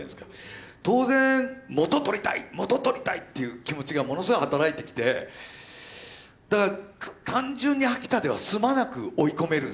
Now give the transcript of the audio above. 当然「元取りたい元取りたい」っていう気持ちがものすごい働いてきてだから単純に飽きたでは済まなく追い込めるんですよ